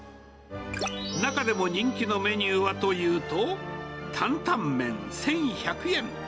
中でも人気のメニューはというと、担々麺１１００円。